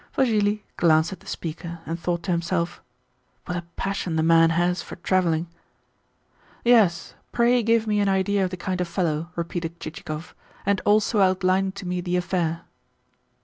Vassili glanced at the speaker, and thought to himself: "What a passion the man has for travelling!" "Yes, pray give me an idea of the kind of fellow," repeated Chichikov, "and also outline to me the affair."